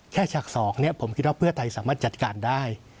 ฉาก๒ผมคิดว่าเพื่อไทยสามารถจัดการได้